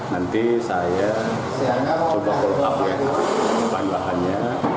nanti saya coba kalau aku yang ada penambahannya